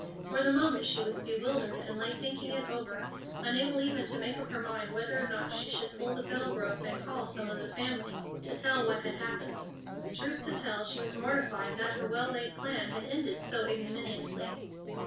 For the moment she was bewildered, and lay thinking it over, unable even to make up her mind whether or not she should pull the bell rope and call some of the family, to tell what had happened. Truth to tell, she was mortified that her well laid plan had ended so ignominiously.